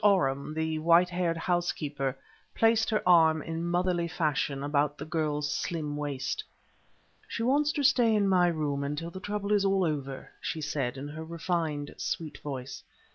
Oram, the white haired housekeeper, placed her arm in motherly fashion about the girl's slim waist. "She wants to stay in my room until the trouble is all over," she said in her refined, sweet voice.